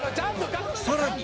さらに